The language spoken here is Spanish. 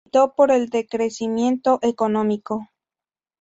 Militó por el "decrecimiento económico".